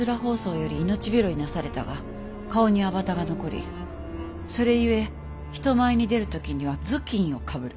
疱瘡より命拾いなされたが顔に痘痕が残りそれゆえ人前に出る時には頭巾をかぶる。